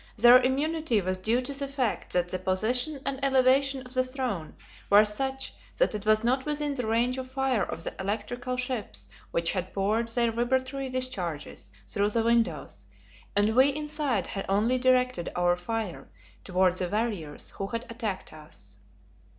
Their immunity was due to the fact that the position and elevation of the throne were such that it was not within the range of fire of the electrical ships which had poured their vibratory discharges through the windows, and we inside had only directed our fire toward the warriors who had attacked us.